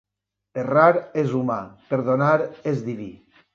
Errar és humà, perdonar és diví.